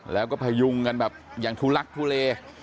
แล้วก็ไปยุ่งอย่างทุลักษณ์ทุเล